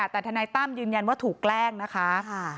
แต่ทนายตั้มยืนยันว่าถูกแกล้งนะคะ